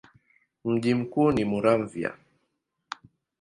Mji mkuu ni Muramvya.